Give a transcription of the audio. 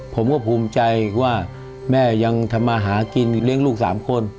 ผมก็ภูมิใจว่าแม่ยังทำมาหากินเลี้ยงลูก๓คน